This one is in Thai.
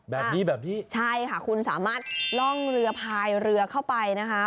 แบบนี้แบบนี้ใช่ค่ะคุณสามารถล่องเรือพายเรือเข้าไปนะคะ